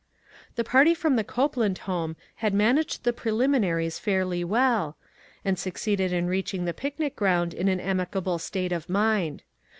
The party from the Copeland home had managed the preliminaries fairly well, and 62 ONE COMMONPLACE DAY. succeeded in reaching the picnic ground in an amicable state of mind.